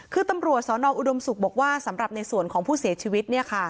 คือตำรวจสนอุดมศุกร์บอกว่าสำหรับในส่วนของผู้เสียชีวิต